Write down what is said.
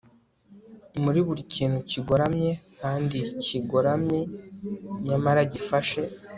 muri buri kintu kigoramye kandi kigoramye nyamara gifashe